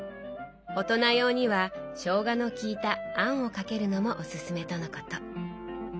大人用にはしょうがのきいたあんをかけるのもおすすめとのこと。